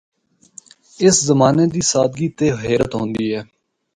اس زمانے دی سادگی تے حیرت ہوندی اے۔